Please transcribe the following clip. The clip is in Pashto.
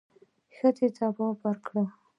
ښځې ځواب ورکړ.